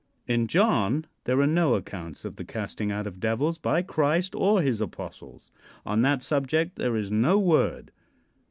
In John there are no accounts of the casting out of devils by Christ or his apostles. On that subject there is no word.